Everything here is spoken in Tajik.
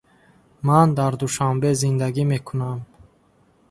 Ман дар Душанбе зиндагӣ мекунам.